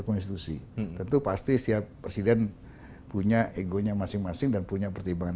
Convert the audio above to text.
konstitusi tentu pasti setiap presiden punya egonya masing masing dan punya pertimbangan